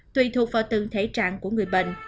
tùy thuộc vào từng thể trạng của người bệnh